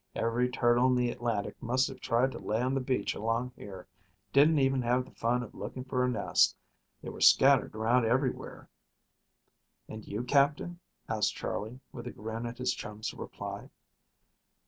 "Every turtle in the Atlantic must have tried to lay on the beach along here. Didn't even have the fun of looking for a nest. They were scattered around everywhere." "And you, Captain?" asked Charley, with a grin at his chum's reply.